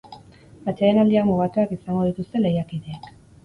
Atsedenaldiak mugatuak izango dituzte lehiakideek.